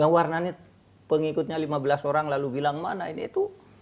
yang warnanya pengikutnya lima belas orang lalu bilang mana ini itu